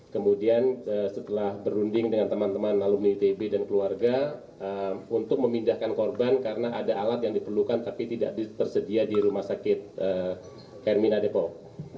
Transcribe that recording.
kemudian setelah berunding dengan teman teman alumni itb dan keluarga untuk memindahkan korban karena ada alat yang diperlukan tapi tidak tersedia di rumah sakit hermina depok